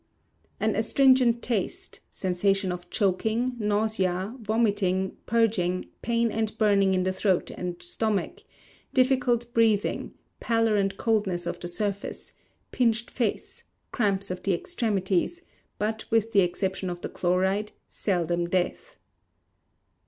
An astringent taste, sensation of choking, nausea, vomiting, purging, pain and burning in the throat and stomach, difficult breathing, pallor and coldness of the surface, pinched face, cramps of the extremities, but, with the exception of the chloride, seldom death.